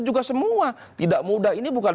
juga semua tidak mudah ini bukan